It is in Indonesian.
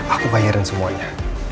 aku bayarin semuanya